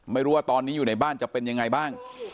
ไม่รู้ว่าตอนนี้อยู่ในบ้านจะเป็นยังไงบ้าง